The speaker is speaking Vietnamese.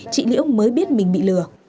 chị liễu mới biết mình bị lừa